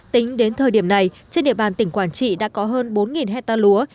tính đến thời điểm này trên địa bàn tỉnh quảng trị đã có hơn bốn hecta lúa